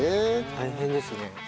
大変ですね。